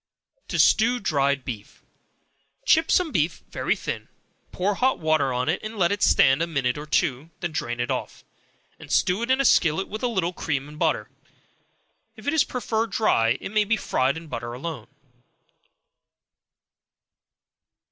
To Stew Dried Beef. Chip some beef very thin, pour hot water on it, and let it stand a minute or two, then drain it off, and stew it in a skillet with a little cream and butter. If it is preferred dry, it may be fried in butter alone.